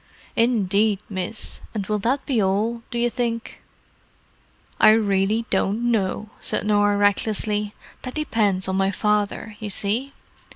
"Indeed, miss. And will that be all, do you think?" "I really don't know," said Norah recklessly. "That depends on my father, you see."